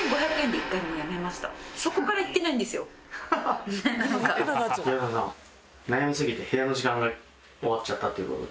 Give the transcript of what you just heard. ギャル曽根さん悩みすぎて部屋の時間が終わっちゃったという事で。